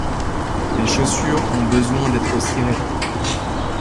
Mes chaussures ont besoin d'être cirées.